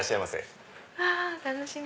うわ楽しみ。